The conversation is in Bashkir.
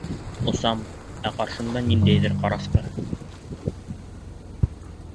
Осам, ә ҡаршымда ниндәйҙер ҡарасҡы...